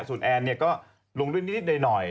ส่วนแอนก็ลงด้วยนิดหน่อย